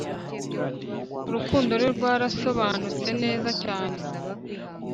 urukundo rwe rwarasobanutse neza cyane